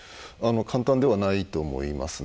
簡単ではないと思いますね。